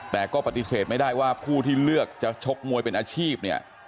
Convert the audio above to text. แต่ก็ปฏิเสธไม่ได้ว่าผู้ที่เลือกจะชกมวยเป็นอาชีพเนี่ย